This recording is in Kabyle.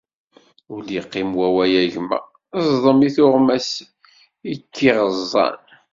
Ur d-yeqqim wawal agma, zḍem i tuɣmas i k-iɣeẓẓan.